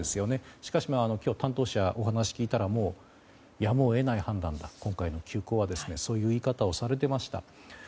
しかし、今日担当者にお話を聞いたらやむを得ない判断だ今回の休校はと、そういう言い方をされていました。